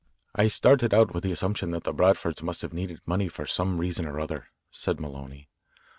"I started out with the assumption that the Branfords must have needed money for some reason or other," said Maloney.